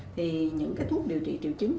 thì những thuốc điều trị triệu chứng